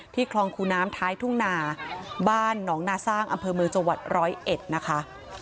คลองคูน้ำท้ายทุ่งนาบ้านหนองนาสร้างอำเภอเมืองจังหวัดร้อยเอ็ดนะคะ